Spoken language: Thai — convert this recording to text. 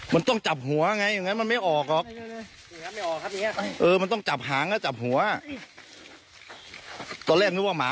กับหังดีมากดีมากไม่ตายไม่ตาย